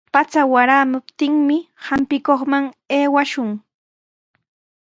Pacha waraptinmi hampikuqman aywashun.